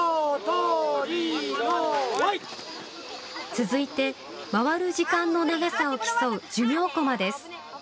続いて回る時間の長さを競う寿命こまです。